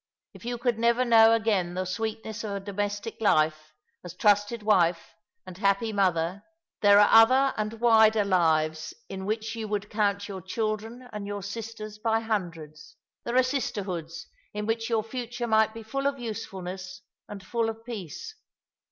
If you could never again know the sweetness of a domestic life — as trusted wife and happy mother — there are other and wider lives in 266 All along the River. which yon would count your children and your sisters by hundreds. There are sisterhoods in which your future might be full of usefulness and full of peace.